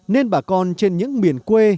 nên bà con trên những miền quê